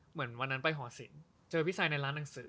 เหมือนวันนั้นไปหอศิลป์เจอพี่ซายในร้านหนังสือ